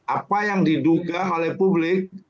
apa yang diduga oleh publik